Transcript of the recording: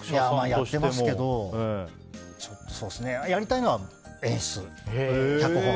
やってますけどやりたいのは演出、脚本。